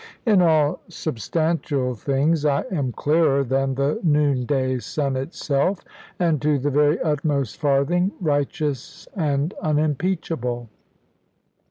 In all substantial things I am clearer than the noon day sun itself; and, to the very utmost farthing, righteous and unimpeachable.